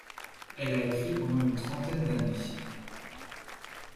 Elle a écrit pendant une trentaine d'années.